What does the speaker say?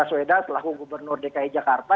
yang sudah selaku gubernur dki jakarta